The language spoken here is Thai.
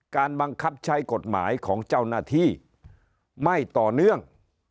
บังคับใช้กฎหมายของเจ้าหน้าที่ไม่ต่อเนื่อง